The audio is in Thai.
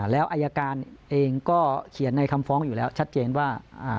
แล้วอายการเองก็เขียนในคำฟ้องอยู่แล้วชัดเจนว่า